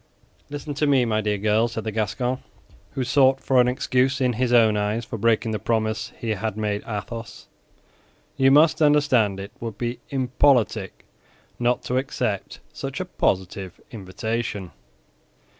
"Listen to me, my dear girl," said the Gascon, who sought for an excuse in his own eyes for breaking the promise he had made Athos; "you must understand it would be impolitic not to accept such a positive invitation.